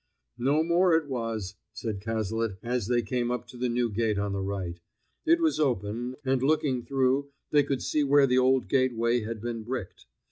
"No more it was," said Cazalet, as they came up to the new gate on the right. It was open, and looking through they could see where the old gateway had been bricked.